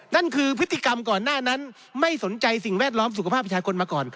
นั่นคือพฤติกรรมก่อนหน้านั้นไม่สนใจสิ่งแวดล้อมสุขภาพประชาชนมาก่อน